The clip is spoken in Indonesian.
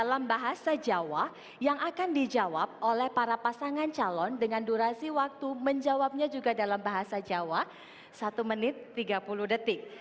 dalam bahasa jawa yang akan dijawab oleh para pasangan calon dengan durasi waktu menjawabnya juga dalam bahasa jawa satu menit tiga puluh detik